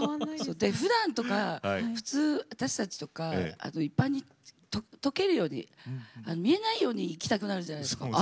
ふだんとか普通私たちとか一般に溶けるように見えないように生きたくなるじゃないですか。